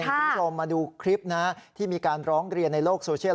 คุณผู้ชมมาดูคลิปนะที่มีการร้องเรียนในโลกโซเชียล